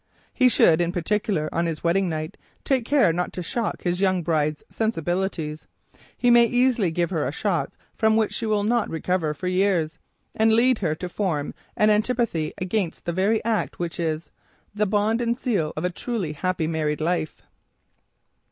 He should, in particular, on his wedding night, take care not to shock his young bride's sensibilities. He may easily give her a shock from which she will not recover for years, and lead her to form an antipathy against the very act which is "the bond and seal of a truly happy married life."